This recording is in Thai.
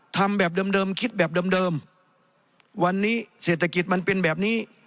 ทำแบบเดิมคิดแบบเดิมวันนี้เศรษฐกิจมันเป็นแบบนี้